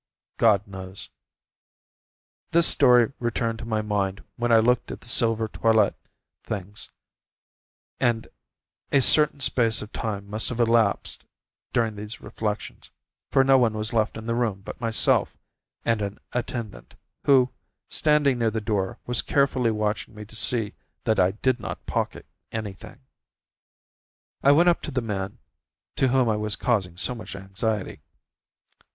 God knows. This story returned to my mind while I looked at the silver toilet things, and a certain space of time must have elapsed during these reflections, for no one was left in the room but myself and an attendant, who, standing near the door, was carefully watching me to see that I did not pocket anything. I went up to the man, to whom I was causing so much anxiety.